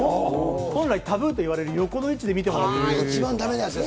本来タブーといわれる、横の位置で見てもらってもいいですか。